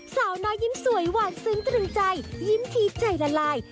สาวน้อยยิ้มสวยหวานซึ้งตรึงใจยิ้มทีใจละลาย